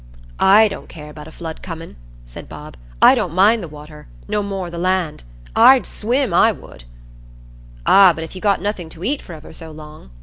"I don't care about a flood comin'," said Bob; "I don't mind the water, no more nor the land. I'd swim, I would." "Ah, but if you got nothing to eat for ever so long?"